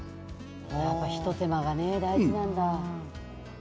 やっぱり一手間が大事なんだ。